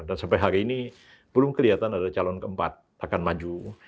dan sampai hari ini belum kelihatan ada calon keempat akan maju